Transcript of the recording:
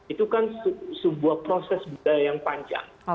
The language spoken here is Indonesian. itu kan sebuah proses budaya yang panjang